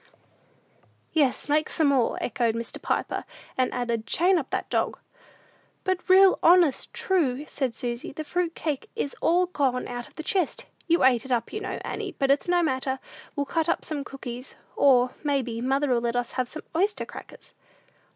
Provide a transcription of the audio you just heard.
"Yes, make some more," echoed Mr. Piper; and added, "chain up that dog." "But real honest true," said Susy, "the fruit cake is all gone out of the chest. You ate it up, you know, Annie; but it's no matter: we'll cut up some cookies, or, may be, mother'll let us have some oyster crackers."